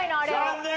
残念！